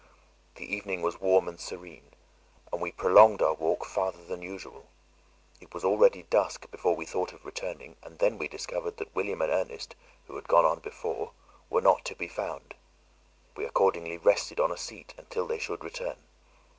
The evening was warm and serene, and we prolonged our walk farther than usual. It was already dusk before we thought of returning; and then we discovered that William and Ernest, who had gone on before, were not to be found. We accordingly rested on a seat until they should return.